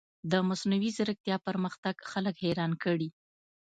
د مصنوعي ځیرکتیا پرمختګ خلک حیران کړي.